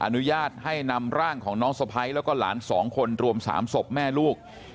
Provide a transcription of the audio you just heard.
อนุญาตให้นำร่างของน้องสะพ้ายแล้วก็หลาน๒คนรวม๓ศพแม่ลูก